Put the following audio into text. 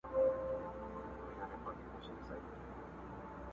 وچې سولې اوښکي ګرېوانونو ته به څه وایو!!